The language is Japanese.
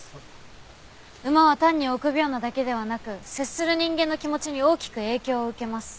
馬は単に臆病なだけではなく接する人間の気持ちに大きく影響を受けます。